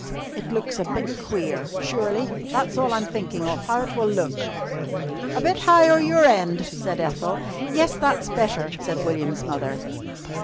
It looks a bit queer, surely. That's all I'm thinking of how it will look." "A bit higher your end," said Ethel. "Yes, that's better," said William's mother.